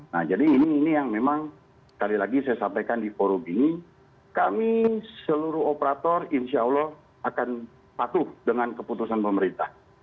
nah jadi ini yang memang sekali lagi saya sampaikan di forum ini kami seluruh operator insya allah akan patuh dengan keputusan pemerintah